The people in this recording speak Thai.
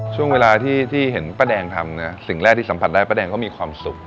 ช่วงเวลาที่เห็นป้าแดงทำนะสิ่งแรกที่สัมผัสได้ป้าแดงเขามีความสุข